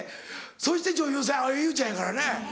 そして女優さん蒼井優ちゃんやからね。